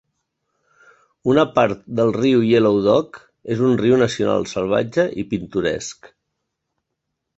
Una part del riu Yellow Dog és un riu nacional salvatge i pintoresc.